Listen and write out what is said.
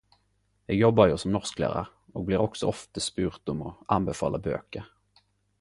Eg jobbar jo som norsklærar og blir også ofte spurt om å anbefale bøker.